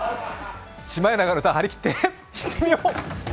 「シマエナガの歌」、張り切っていってみよう！